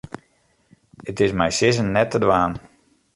It is mei sizzen net te dwaan.